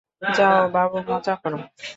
যাও, বাবু মজা করো।